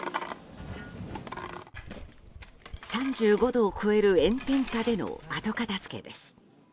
３５度を超える炎天下での後片付けです。